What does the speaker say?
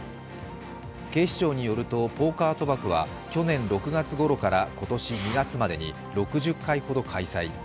警視庁によるとポーカー賭博は去年６月ごろから今年２月までに６０回ほど開催。